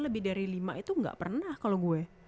lebih dari lima itu nggak pernah kalau gue